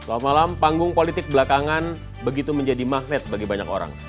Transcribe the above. selamat malam panggung politik belakangan begitu menjadi magnet bagi banyak orang